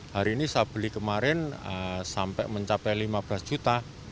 hari ini saya beli kemarin sampai mencapai lima belas juta